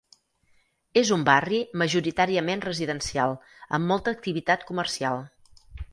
És un barri majoritàriament residencial amb molta activitat comercial.